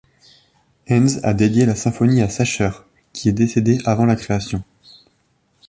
Henze a dédié la symphonie à Sacher, qui est décédé avant la création.